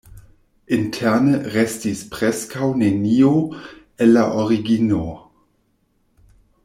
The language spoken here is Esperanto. Interne restis preskaŭ nenio el la origino.